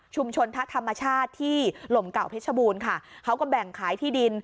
ชนทะธรรมชาติที่หล่มเก่าเพชรบูรณ์ค่ะเขาก็แบ่งขายที่ดิน